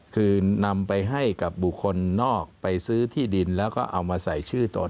คือนำไปให้กับบุคคลนอกไปซื้อที่ดินแล้วก็เอามาใส่ชื่อตน